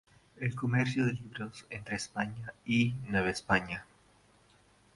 El comercio de libros entre España y Nueva España.